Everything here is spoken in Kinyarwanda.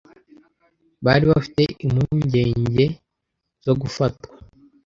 Bari bafite impungenge zo gufatwa.